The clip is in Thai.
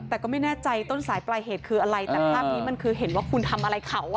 แต่ก็ไม่แน่ใจต้นสายปลายเหตุคืออะไรแต่ภาพนี้มันคือเห็นว่าคุณทำอะไรเขาอ่ะ